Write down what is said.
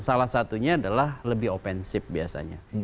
salah satunya adalah lebih offensif biasanya